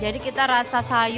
jadi kita rasa sayurnya juga ya